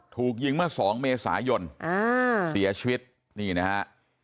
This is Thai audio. จริงเมื่อ๒เมษายนเสียชีวิตนี่นะฮะ